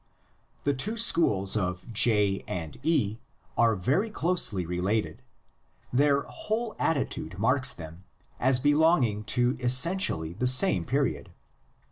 The two schools of J and E are very closely related; their whole attitude marks them as belong ing to essentially the same period.